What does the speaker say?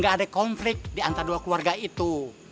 gak ada konflik diantara dua keluarga itu